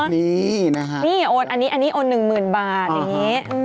นี่อันนี้โอนหนึ่งหมื่นบาทอย่างนี้